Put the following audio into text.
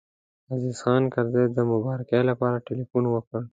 عزیز خان کرزی د مبارکۍ لپاره تیلفون وکړ.